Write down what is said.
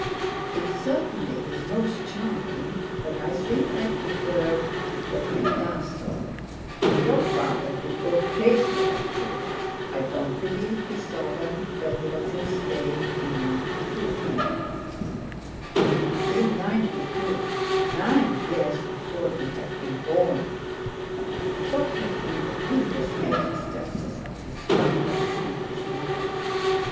"It certainly is most charming; but I think I prefer the 'Quitasol' Your father would go crazy about Goya; I don't believe he saw them when he was in Spain in '92." In '92—nine years before he had been born! What had been the previous existences of his father and his mother?